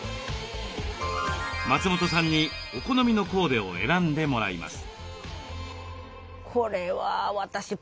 松本さんにお好みのコーデを選んでもらいます。